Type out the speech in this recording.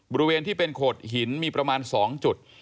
บริเวณที่เป็นโขดหินมีประมาณ๒จุด